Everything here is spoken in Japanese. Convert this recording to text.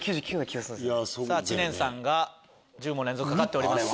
さぁ知念さんが１０問連続かかっております。